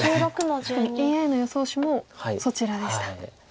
ＡＩの予想手もそちらでした。